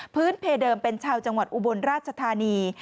เพเดิมเป็นชาวจังหวัดอุบลราชธานี